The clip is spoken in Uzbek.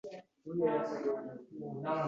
Qildilar hibs